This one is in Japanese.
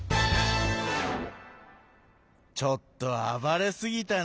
ちょっとあばれすぎたなあ。